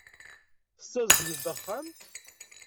Tessazedgeḍ-d axxam.